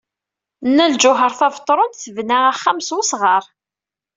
Nna Lǧuheṛ Tabetṛunt tebna axxam s wesɣar.